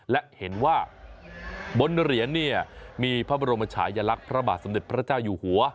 และเห็นว่าบนเหรียญเนี่ยมีพระบรมชายลักษณ์พระบาทสมเด็จพระเจ้าอยู่หัว